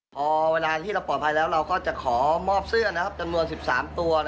พอเวลาที่เราปลอดภัยแล้วเราก็จะขอมอบเสื้อจำนวน๑๓ตัว